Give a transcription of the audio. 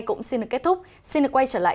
cũng xin được kết thúc xin được quay trở lại